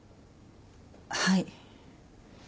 はい。